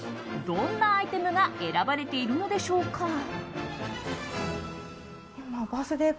どんなアイテムが選ばれているのでしょうか。